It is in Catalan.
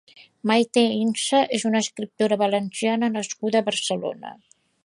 Maite Insa és una escriptora valenciana nascuda a Barcelona.